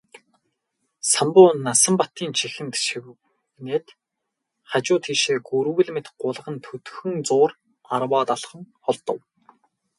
Самбуу Насанбатын чихэнд шивгэнээд хажуу тийшээ гүрвэл мэт гулган төдхөн зуур арваад алхам холдов.